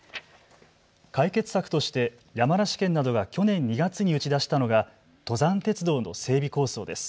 解決策として山梨県などが去年２月に打ち出したのが登山鉄道の整備構想です。